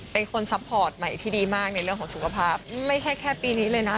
ซัพพอร์ตใหม่ที่ดีมากในเรื่องของสุขภาพไม่ใช่แค่ปีนี้เลยนะ